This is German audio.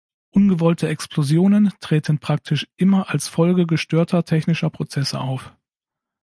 Ungewollte Explosionen treten praktisch immer als Folge gestörter technischer Prozesse auf.